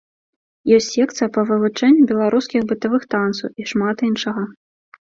Ёсць секцыя па вывучэнню беларускіх бытавых танцаў і шмат іншага.